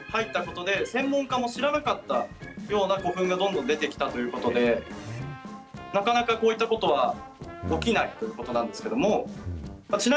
実際、市民の方々が入ったことで、専門家も知らなかったような古墳がどんどん出てきたということで、なかなかこういったことは起きないということなんですけども。